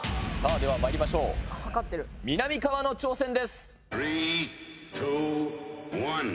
ではまいりましょうみなみかわの挑戦です。